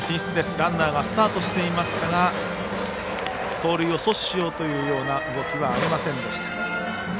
ランナーがスタートしていましたが盗塁を阻止しようという動きはありませんでした。